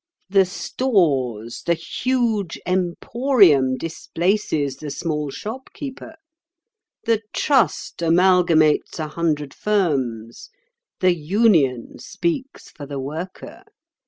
The stores, the huge Emporium displaces the small shopkeeper; the Trust amalgamates a hundred firms; the Union speaks for the worker.